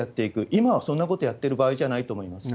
今はそんなことやってる場合じゃないと思います。